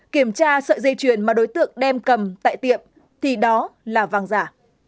kiểm tra sợi dây chuyền mà đối tượng đem cầm tại tiệm thì đó là vàng giả